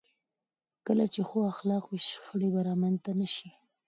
کله چې ښو اخلاق وي، شخړې به رامنځته نه شي.